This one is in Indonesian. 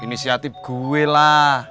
inisiatif gue lah